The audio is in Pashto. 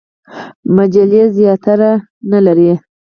مجلې زیاتره نه لري.